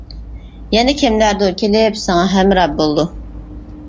يەنە كىملەردۇر كېلىپ ساڭا ھەمراھ بولىدۇ.